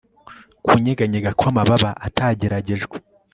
Kunyeganyega kwamababa atageragejwe